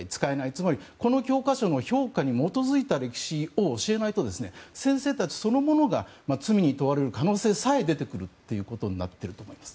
つまりこの教科書の評価に基づいた歴史を教えないと先生たちそのものが罪に問われる可能性さえ出てくるということになっていると思います。